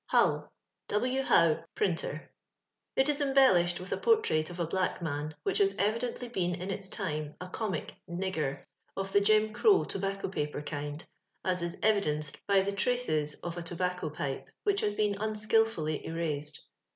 HULL : W. HOWE, PRINTEIf it is embellished with a portrait of a blsck man, which has evidently been in its time a comic " nigger" of 'the Jim Grow tobaceo pq>er kind, as is evidenced by the traces of a tobacco pipe, which has been unskilftdly erased.